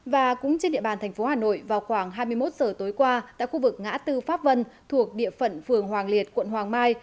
và cũng trên địa bàn thành phố hà nội vào khoảng hai mươi một giờ tối qua tại khu vực ngã tư pháp vân thuộc địa phận phường hoàng liệt quận hoàng mai